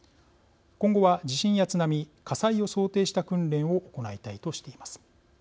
今後は地震や津波火災を想定した訓練を行いたいとしています。